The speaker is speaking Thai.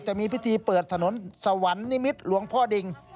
จะมีพิธีเปิดถนนสวรรค์นิมิตรหลวงพ่อดิง